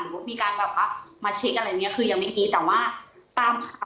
หรือว่ามีการมาเช็คอะไรอย่างนี้คือยังไม่มีแต่ว่าตามค่ะ